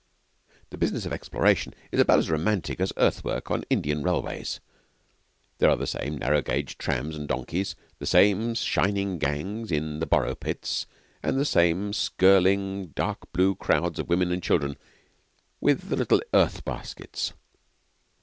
The business of exploration is about as romantic as earth work on Indian railways. There are the same narrow gauge trams and donkeys, the same shining gangs in the borrow pits and the same skirling dark blue crowds of women and children with the little earth baskets.